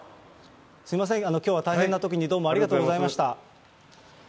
すみません、きょうは大変なときにどうもありがとうございました。